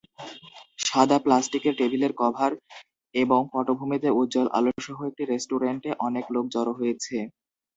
সাদা প্লাস্টিকের টেবিলের কভার এবং পটভূমিতে উজ্জ্বল আলোসহ একটি রেস্টুরেন্টে অনেক লোক জড়ো হয়েছে